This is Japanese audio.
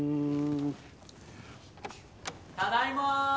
ただいま。